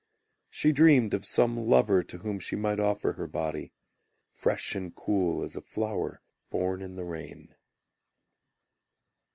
She dreamed of some lover To whom she might offer her body Fresh and cool as a flower born in the rain.